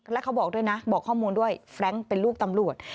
แล้วเขาบอกด้วยนะบอกข้อมูลด้วยแฟรงค์เป็นลูกตำรวจ